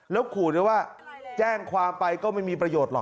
แล้วขู่ด้วยว่าแจ้งความไปก็ไม่มีประโยชนหรอก